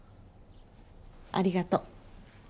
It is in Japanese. ありがとう。